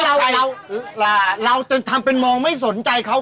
เราเราจนทำเป็นมองไม่สนใจเขา